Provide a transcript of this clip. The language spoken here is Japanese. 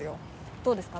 どうですか？